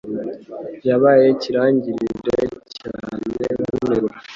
Yabaye ikirangirire cyane nkunegura.